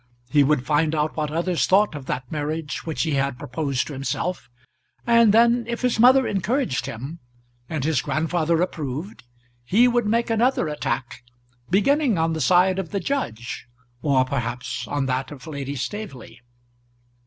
He would find out what others thought of that marriage which he had proposed to himself; and then, if his mother encouraged him, and his grandfather approved, he would make another attack, beginning on the side of the judge, or perhaps on that of Lady Staveley.